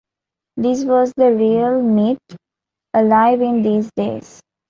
This was the real myth alive in these days.